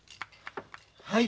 はい。